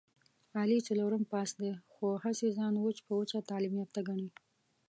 علي څلورم پاس دی، خو هسې ځان وچ په وچه تعلیم یافته ګڼي...